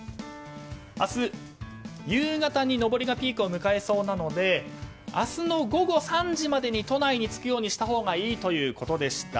明日、夕方に上りがピークを迎えそうなので明日の午後３時までに都内に着くようにしたほうがいいということでした。